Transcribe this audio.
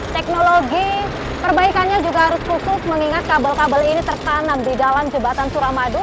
teknologi perbaikannya juga harus khusus mengingat kabel kabel ini tertanam di dalam jembatan suramadu